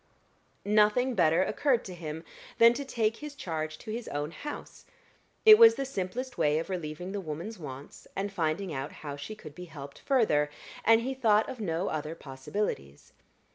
Nothing better occurred to him than to take his charge to his own house; it was the simplest way of relieving the woman's wants, and finding out how she could be helped further; and he thought of no other possibilities.